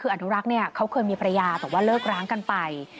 คืออนุรักษ์เนี่ยเขาเคยมีภรรยาแต่ว่าเลิกร้างกันไป